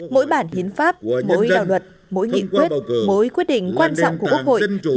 mỗi bản hiến pháp mỗi đạo luật mỗi nghị quyết mỗi quyết định quan trọng của quốc hội